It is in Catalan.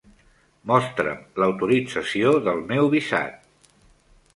Mostra'm l'autorització del meu visat.